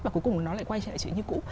và cuối cùng nó lại quay trở lại chị như cũ